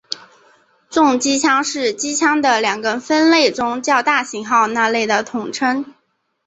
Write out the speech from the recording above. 重机枪是机枪的两个分类中较大型号那类的统称。